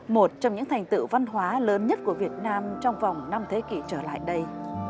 một trong những thành tựu văn hóa lớn nhất của việt nam trong vòng năm thế kỷ trở lại đây